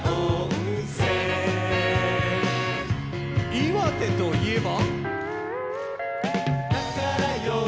岩手といえば。